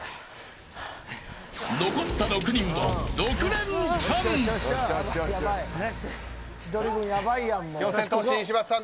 残った６人は６レンチャン四千頭身、石橋さん。